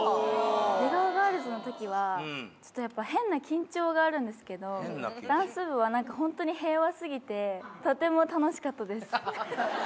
出川ガールズのときは、やっぱ変な緊張があるんですけど、ダンス部は本当、なんか平和すぎて、とても楽しかったです。